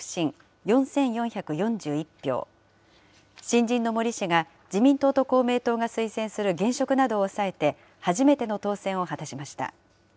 新人の森氏が、自民党と公明党が推薦する現職などを抑えて、初めての当選を果たしました。